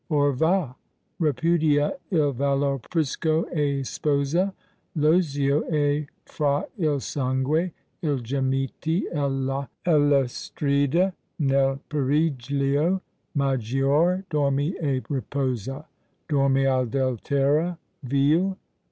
Or va; repudia il valor prisco, e sposa L' ozio, e fra il sangue, i gemiti, e le strida Nel periglio maggior dormi e riposa! Dormi, Adultera vil!